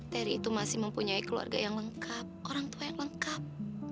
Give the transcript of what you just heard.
teri itu masih mempunyai keluarga yang lengkap orang tua yang lengkap